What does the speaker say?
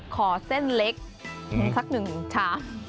ขอเส้นเล็กสักหนึ่งช้า